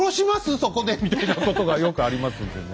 そこで」みたいなことがよくありますんでね。